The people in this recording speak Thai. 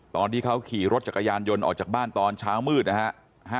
ตอนที่เขาขี่รถจักรยานยนต์ออกจากบ้านตอนเช้ามืดนะฮะ